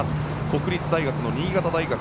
国立大学の新潟大学。